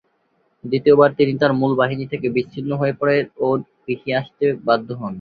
দ্বিতীয়বার তিনি তার মূল বাহিনী থেকে বিচ্ছিন্ন হয়ে পড়েন ও পিছিয়ে আসতে বাধ্য হন।